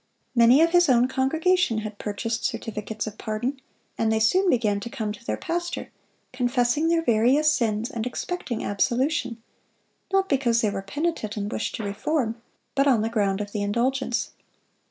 Many of his own congregation had purchased certificates of pardon, and they soon began to come to their pastor, confessing their various sins, and expecting absolution, not because they were penitent and wished to reform, but on the ground of the indulgence.